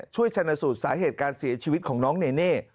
ช่วยชนะสูตรสาเหตุการเสียชีวิตของน้องเนเน่